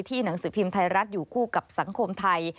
หนังสือพิมพ์ไทยรัฐอยู่คู่กับสังคมไทย